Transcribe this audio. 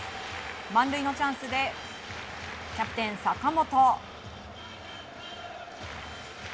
満塁のチャンスでキャプテン、坂本。